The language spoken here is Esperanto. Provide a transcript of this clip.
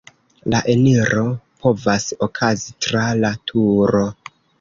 La eniro povas okazi tra la turo.